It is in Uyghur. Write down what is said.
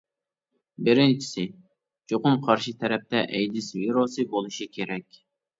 بىرىنچىسى: چوقۇم قارشى تەرەپتە ئەيدىز ۋىرۇسى بولۇشى كېرەك.